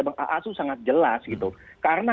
bang asu sangat jelas gitu karena